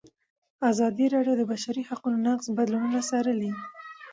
ازادي راډیو د د بشري حقونو نقض بدلونونه څارلي.